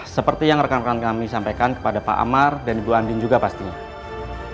seperti yang rekan rekan kami sampaikan kepada pak amar dan ibu andin juga pastinya